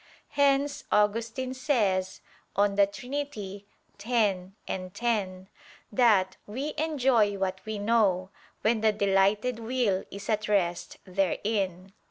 Hence Augustine says (De Trin. x, 10) that "we enjoy what we know, when the delighted will is at rest therein."